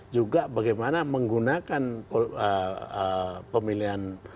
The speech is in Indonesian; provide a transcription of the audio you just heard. juga bagaimana menggunakan pemilihan